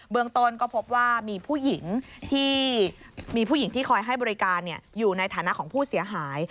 เบื้องต้นก็พบว่ามีผู้หญิงที่คอยให้บริการอยู่ในฐานะของผู้เสียหาย